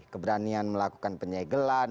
keberanian melakukan penyegelan